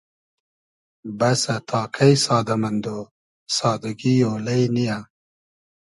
بئسۂ تا کݷ سادۂ مئندۉ ، سادگی اۉلݷ نییۂ